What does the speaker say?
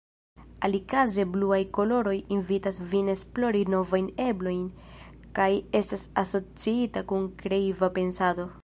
Alikaze, bluaj koloroj invitas vin esplori novajn eblojn kaj estas asociita kun kreiva pensado.